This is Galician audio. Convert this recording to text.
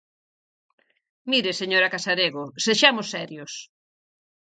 Mire, señora Casarego, sexamos serios.